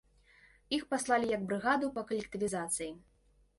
Іх паслалі як брыгаду па калектывізацыі.